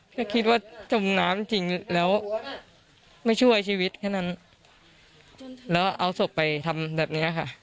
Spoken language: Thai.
ก็คิดว่าจมน้ำจริงแล้วไม่ช่วยชีวิตแค่นั้นแล้วเอาศพไปทำแบบเนี้ยค่ะ